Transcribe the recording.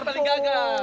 tunggu lu pade ya